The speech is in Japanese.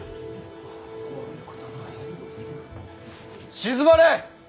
静まれ！